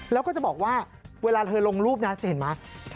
แล้วก็จะบอกว่าเวลาเธอลงรูปนะจะเห็นไหม